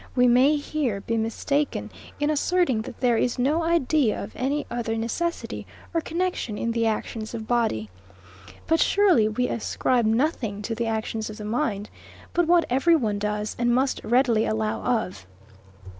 We may here be mistaken in asserting that there is no idea of any other necessity or connexion in the actions of body: But surely we ascribe nothing to the actions of the mind, but what everyone does, and must readily allow of.